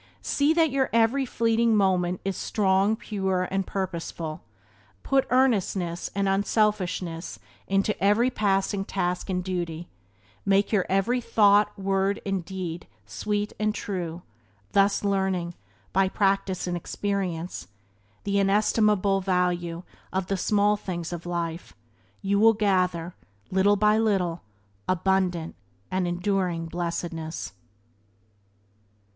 See that your every fleeting moment is strong, pure, and purposeful; put earnestness and unselfishness into every passing task and duty; make your every thought, word, and deed sweet and true; thus learning, by practice and experience, the inestimable value of the small things of life, you will gather, little by little, abundant and enduring blessedness.